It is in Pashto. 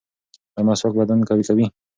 ایا مسواک بدن قوي کوي؟